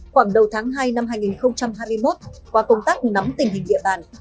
khoảng đầu tháng hai năm hai nghìn hai mươi một qua công tác nắm tình hình địa bàn